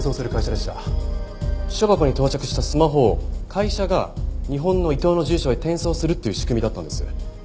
私書箱に到着したスマホを会社が日本の伊藤の住所へ転送するっていう仕組みだったんです。